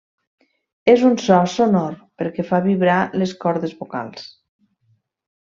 És un so sonor perquè fa vibrar les cordes vocals.